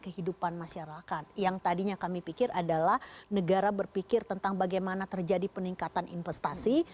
kehidupan masyarakat yang tadinya kami pikir adalah negara berpikir tentang bagaimana terjadi peningkatan investasi